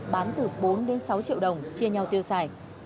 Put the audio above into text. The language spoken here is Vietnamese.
bán từ bốn đến sáu triệu đồng chia nhau tiêu xài